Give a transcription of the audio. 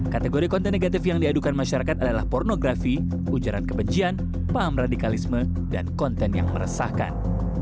kategori konten negatif yang diadukan masyarakat adalah pornografi ujaran kebencian paham radikalisme dan konten yang meresahkan